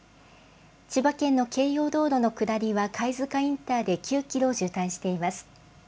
千葉県の京葉道路の下りは、貝塚インターで９キロ渋滞しています。